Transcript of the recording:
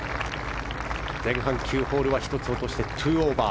前半９ホールは１つ落として２オーバー。